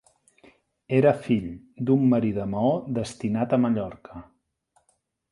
Era fill d'un marí de Maó destinat a Mallorca.